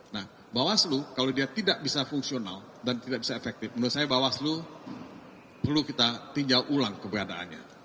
nah bawaslu kalau dia tidak bisa fungsional dan tidak bisa efektif menurut saya bawaslu perlu kita tinjau ulang keberadaannya